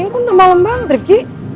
ini kok malem banget rifqi